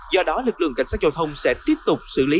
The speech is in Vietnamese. do đó lực lượng cảnh sát giao thông sẽ tiếp tục xử lý